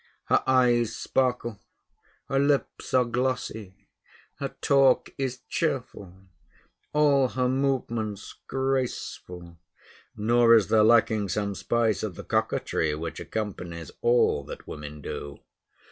Her eyes sparkle, her lips are glossy, her talk is cheerful, all her movements graceful; nor is there lacking some spice of the coquetry which accompanies all that women do.